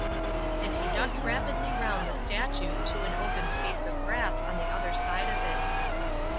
And he ducked rapidly round the statue to an open space of grass on the other side of it.